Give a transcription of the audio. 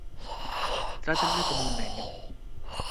Trátenme como a un neñu.